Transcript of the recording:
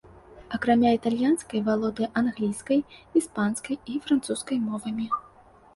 Акрамя італьянскай, валодае англійскай, іспанскай і французскай мовамі.